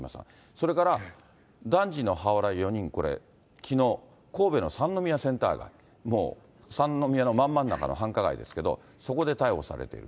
それから男児の母親ら４人、これ、きのう、神戸の三宮センター街、もう三宮のまん真ん中の繁華街ですけど、そこで逮捕されている。